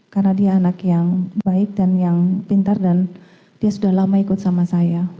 karena dia anak yang baik dan yang pintar dan dia sudah lama ikut sama saya